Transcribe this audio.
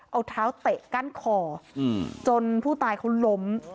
เอาเท้าเตะกั้นคอจนผู้ตายเขาล้ม